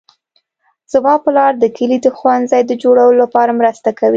زما پلار د کلي د ښوونځي د جوړولو لپاره مرسته کوي